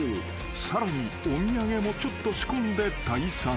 ［さらにお土産もちょっと仕込んで退散］